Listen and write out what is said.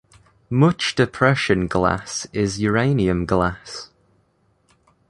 Much depression glass is uranium glass.